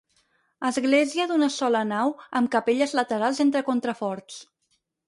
Església d'una sola nau amb capelles laterals entre contraforts.